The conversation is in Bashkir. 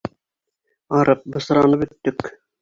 Арып, бысранып бөттөк.